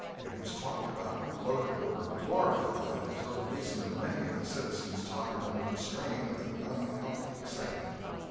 It was talked about, gloated over, glorified, until the reason of many of the citizens tottered under the strain of the unhealthy excitement.